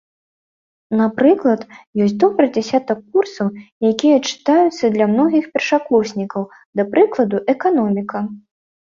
Напрыклад, ёсць добры дзясятак курсаў, якія чытаюцца для многіх першакурснікаў, да прыкладу, эканоміка.